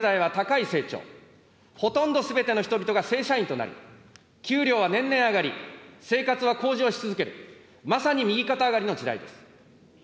人口は毎年増え、経済は高い成長、ほとんどすべての人々が正社員となり、給料は年々上がり、生活は向上し続ける、まさに右肩上がりの時代です。